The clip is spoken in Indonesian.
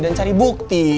dan cari bukti